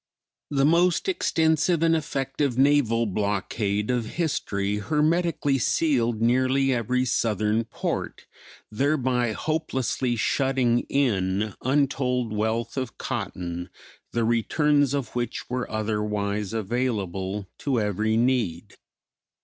The most extensive and effective naval blockade of history hermetically sealed nearly every Southern port, thereby hopelessly shutting in untold wealth of cotton, the returns of which were otherwise available to every need.